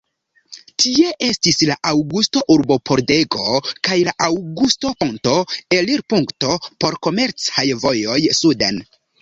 Tie estis la Aŭgusto-urbopordego kaj la Aŭgusto-ponto, elirpunkto por komercaj vojoj suden.